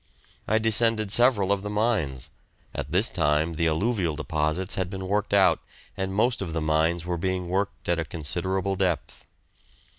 I descended several of the mines; at this time the alluvial deposits had been worked out, and most of the mines were being worked at a considerable depth.